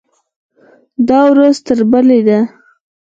دا ورځ تر بلې ده.